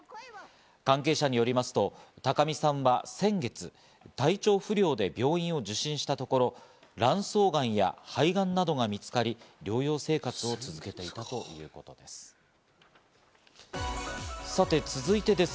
関係者によりますと高見さんは先月、体調不良で病院を受診したところ、卵巣がんや肺がんなどが見つかり、療養生活を続けていたということです。